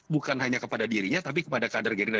bukan hanya kepada dirinya tapi kepada kader gerindra